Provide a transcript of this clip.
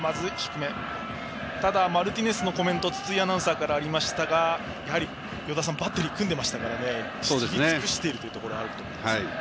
ただ、マルティネスのコメントが筒井アナウンサーからありましたが与田さん、バッテリーを組んでいましたから知り尽くしているというところはあると思いますが。